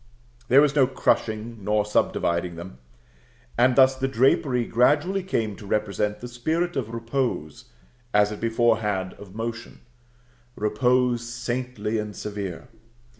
There was no crushing nor subdividing them. And thus the drapery gradually came to represent the spirit of repose as it before had of motion, repose saintly and severe.